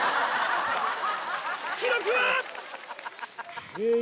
記録は？